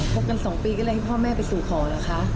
กัน๒ปีก็เลยให้พ่อแม่ไปสู่ขอเหรอคะ